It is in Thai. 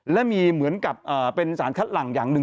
และมีเหมือนกับเป็นสารคัดหลังอย่างหนึ่ง